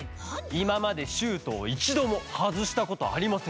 いままでシュートをいちどもはずしたことありません。